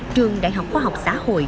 trường đại học khoa học xã hội